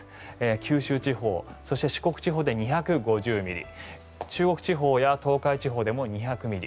九州地方、そして四国地方で２５０ミリ中国地方や東海地方でも２００ミリ